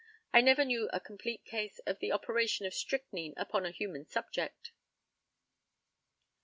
I never knew a complete case of the operation of strychnine upon a human subject.